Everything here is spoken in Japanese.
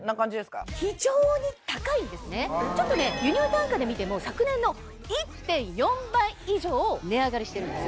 ちょっとね輸入単価で見ても昨年の１．４倍以上値上がりしてるんです。